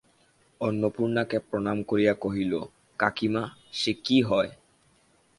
অন্নপূর্ণাকে প্রণাম করিয়া কহিল, কাকীমা, সে কি হয়?